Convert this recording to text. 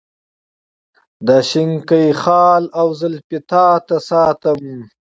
دا شینکی خال او زلفې تا ته ساتم.